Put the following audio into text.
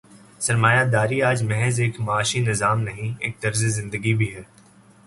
سرمایہ داری آج محض ایک معاشی نظام نہیں، ایک طرز زندگی بھی ہے۔